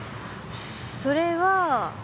それは。